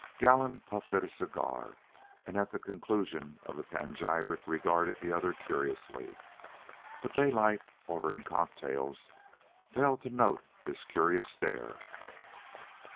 Gallon puffed at his cigar, and at the conclusion of the panegyric regarded the other curiously; but Daylight, ordering cocktails, failed to note this curious stare.